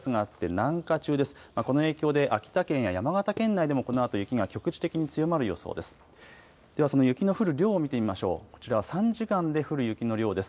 この影響で秋田県や山形県内でもこのあと雪が局地的に強まる予想です。